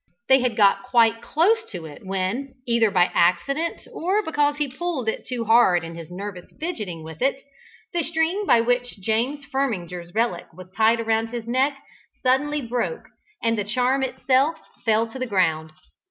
They had got quite close to it when, either by accident, or because he pulled it too hard in his nervous fidgeting with it, the string by which James Firminger's relic was tied round his neck suddenly broke, and the charm itself fell to the ground.